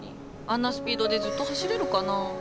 あんなスピードでずっと走れるかな？